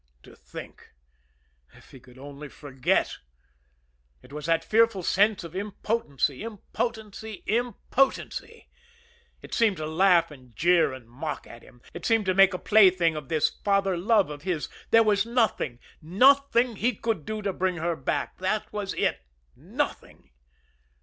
To think if he could only forget! It was that fearful sense of impotency impotency impotency. It seemed to laugh and jeer and mock at him. It seemed to make a plaything of this father love of his. There was nothing nothing he could do to bring her back that was it nothing!